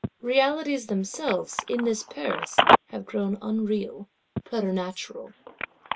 Realities themselves, in this Paris, have grown unreal: preternatural.